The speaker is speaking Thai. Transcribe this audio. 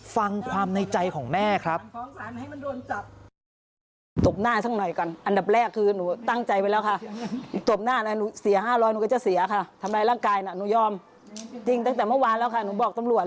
ฟังความในใจของแม่ครับ